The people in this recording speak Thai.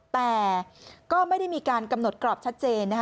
แต่ก็ไม่ได้มีการกำหนดกรอบชัดเจนนะคะ